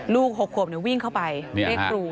ลูก๖ขวบเนี่ยวิ่งเข้าไปเรียกครู